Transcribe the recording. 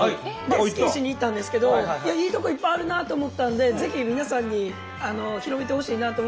スキーしに行ったんですけどいいとこいっぱいあるなと思ったんでぜひ皆さんに広めてほしいなと思うんですけど。